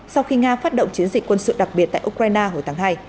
sau khi nga phát động chiến dịch quân sự đặc biệt tại ukraine hồi tháng hai